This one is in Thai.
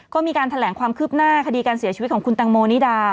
ก็มีการแถลงความคืบหน้าคดีการเสียชีวิตของคุณตังโมนิดา